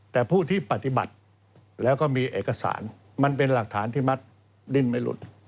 แต่ผู้ที่ปฏิบัติแล้วก็มีเอกสารมันเป็นหลักฐานที่มัดดิ้นไม่หลุด